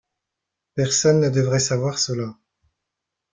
Personne ne devrait savoir cela.